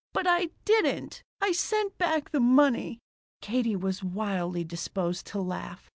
"But I didn't. I sent back the money." Katie was wildly disposed to laugh.